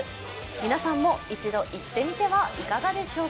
皆さんも一度行ってみてはいかがでしいょ